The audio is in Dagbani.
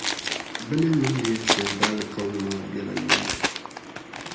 bɛ ni niŋdi ya shɛli daalikauli maa bela yoma.